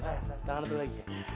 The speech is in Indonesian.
ayah tangan itu lagi